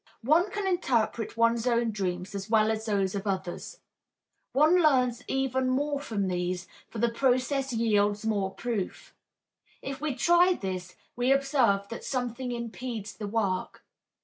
One can interpret one's own dreams as well as those of others. One learns even more from these, for the process yields more proof. If we try this, we observe that something impedes the work.